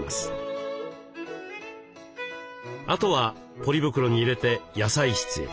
あとはポリ袋に入れて野菜室へ。